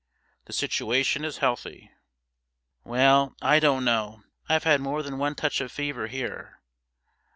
The situation is healthy.' 'Well, I don't know; I've had more than one touch of fever here.'